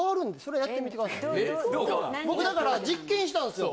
僕だから実験したんですよ